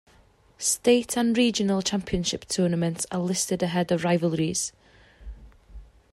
State and regional championship tournaments are listed ahead of rivalries.